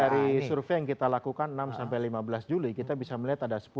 jadi dari survei yang kita lakukan enam sampai lima belas juli kita bisa melihat ada sepuluh besar ya